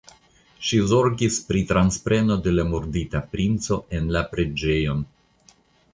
Ŝi zorgis pri transpreno de la murdita princo en la preĝejon.